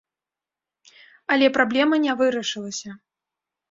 Але праблема не вырашылася.